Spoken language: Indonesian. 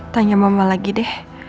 tanya mama lagi deh